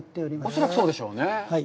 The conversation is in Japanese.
恐らくそうでしょうね。